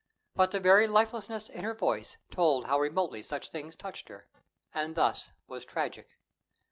But the very lifelessness in her voice told how remotely such things touched her, and thus was tragic.